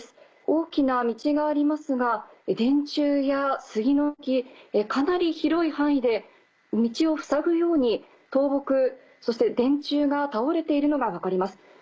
大きな道がありますが電柱や杉の木かなり広い範囲で道をふさぐように倒木そして電柱が倒れているのが分かります。